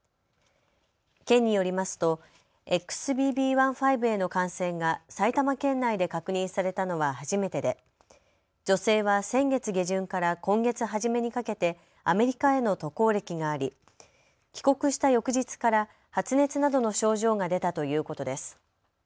県によりますとＸＢＢ．１．５への感染が埼玉県内で確認されたのは初めてで女性は先月下旬から今月初めにかけてアメリカへの渡航歴があり、帰国した翌日から発熱などの症状が出たということです。